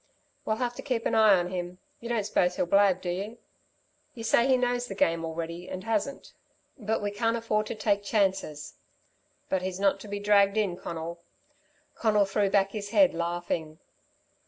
"We'll have to keep an eye on him. You don't suppose he'll blab, do you? You say he knows the game already and hasn't. But we can't afford to take chances." "But he's not to be dragged in, Conal!" Conal threw back his head, laughing.